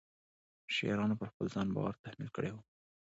شاعرانو پر ځان بار تحمیل کړی وي.